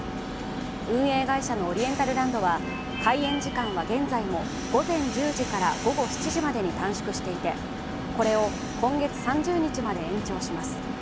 運営会社のオリエンタルランドは開園時間は現在も午前１０時から午後７時までに短縮していてこれを今月３０日まで延長します。